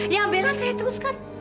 yang bela saya teruskan